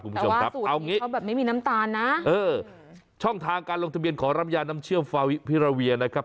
คุณผู้ชมครับเอางี้เขาแบบไม่มีน้ำตาลนะเออช่องทางการลงทะเบียนขอรับยาน้ำเชื่อมฟาวิพิราเวียนะครับ